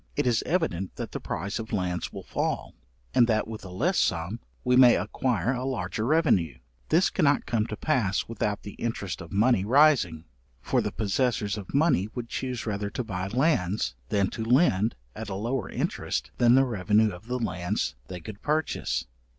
It is evident that the price of lands will fall, and that with a less sum we may acquire a larger revenue; this cannot come to pass without the interest of money rising, for the possessors of money would chuse rather to buy lands, than to lend at a lower interest than the revenue of the lands they could purchase.